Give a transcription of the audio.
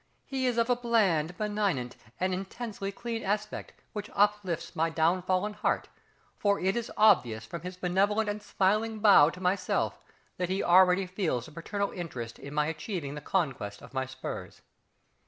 He is of a bland, benignant, and intensely clean aspect, which uplifts my downfallen heart, for it is obvious, from his benevolent and smiling bow to myself that he already feels a paternal interest in my achieving the conquest of my spurs.